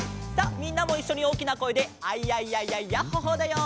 みんなもいっしょにおおきなこえで「アイヤイヤイヤイヤッホ・ホー」だよ。